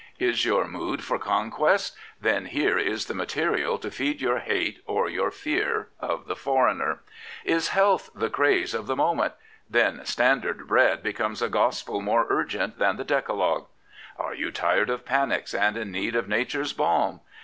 Is your mood for conquest ? Then here is the material to feed your hate or your fear of the foreigner. Is health the craze of the moment ? Then * Standard Bread ' becomes a gospel more urgent than the Decalogue. Are you tired of panics and in need of nature's balm?